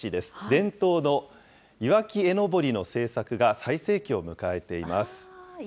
伝統のいわき絵のぼりの制作が最盛期を迎えています。